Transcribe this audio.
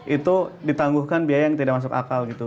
itu ditangguhkan biaya yang tidak masuk akal gitu